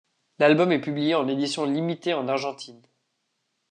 L'album est publié en édition limitée en Argentine.